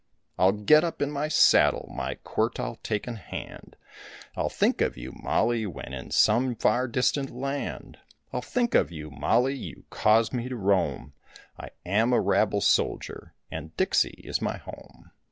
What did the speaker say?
I'll get up in my saddle, my quirt I'll take in hand, I'll think of you, Mollie, when in some far distant land, I'll think of you, Mollie, you caused me to roam, I am a rabble soldier and Dixie is my home.